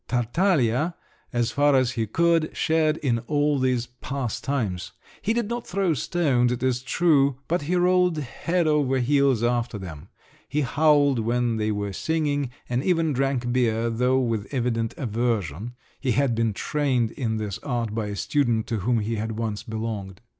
Tartaglia, as far as he could, shared in all these pastimes; he did not throw stones, it is true, but he rolled head over heels after them; he howled when they were singing, and even drank beer, though with evident aversion; he had been trained in this art by a student to whom he had once belonged.